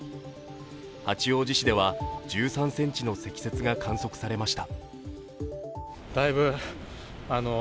八王子市では１３ｃｍの積雪が観測されました。